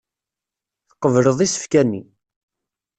Tqebleḍ isefka-nni.